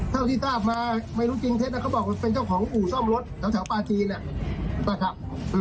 เท่าที่ทราบมาไม่รู้จริงเท็จนะเขาบอกเป็นเจ้าของอู่ซ่อมรถแถวปลาจีนนะครับ